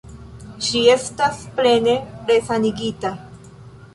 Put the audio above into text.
Ŝi estas plene resanigita.